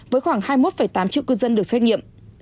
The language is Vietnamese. với khoảng hai mươi một tám triệu cư dân được xét nghiệm